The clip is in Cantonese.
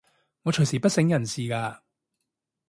我隨時不省人事㗎